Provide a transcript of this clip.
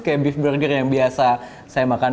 kayak beef burger yang biasa saya makan